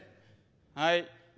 はい。